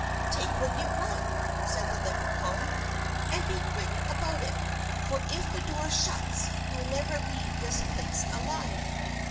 "Take what you want," said the Leprechaun, "and be quick about it; for if the door shuts you will never leave this place alive."